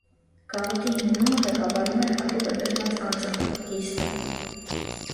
Գաղութի հիմնումը ղեկավարում էր հատուկ ընտրված անձը՝ օկիստը։